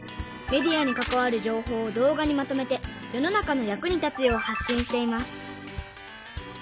メディアにかかわるじょうほうを動画にまとめて世の中の役に立つよう発しんしています。